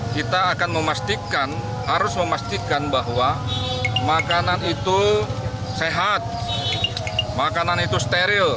kita akan memastikan harus memastikan bahwa makanan itu sehat makanan itu steril